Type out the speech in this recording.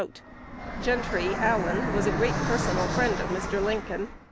2 "Gentry (Allen) was a great personal friend of Mr. Lincoln.